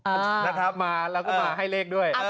มาเราก็มาให้เลขด้วย